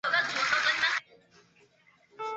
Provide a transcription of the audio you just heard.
莱昂西兹孔。